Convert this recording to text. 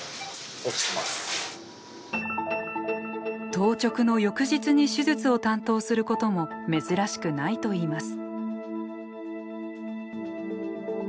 当直の翌日に手術を担当することも珍しくないといいます。